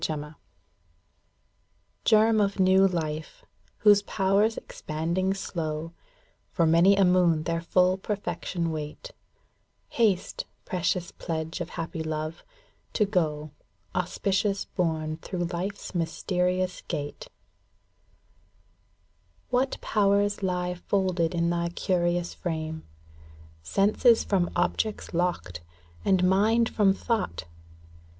Gekm of new life, whose powers expanding slow For many a moon their full perfection wait, ŌĆö Haste, precious pledge of happy love, to go Auspicious borne through life's mysterious gate. What powers lie folded in thy curious frame, ŌĆö Senses from objects locked, and mind from thought